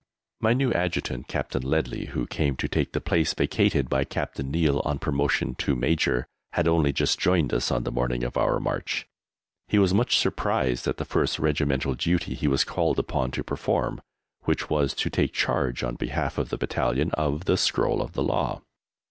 My new Adjutant, Captain Leadley, who came to take the place vacated by Captain Neill on promotion to Major, had only just joined us on the morning of our march. He was much surprised at the first Regimental duty he was called upon to perform, which was to take charge, on behalf of the Battalion, of the Scroll of the Law.